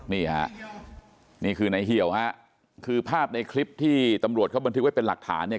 นี่ฮะนี่คือในเหี่ยวฮะคือภาพในคลิปที่ตำรวจเขาบันทึกไว้เป็นหลักฐานเนี่ย